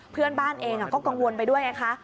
เพื่อนบ้านเองก็กังวลไปด้วยไงคะ